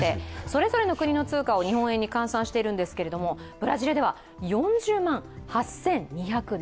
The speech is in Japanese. それぞれの国の通貨を日本円に換算してるんですが、ブラジルでは４０万８２７８円。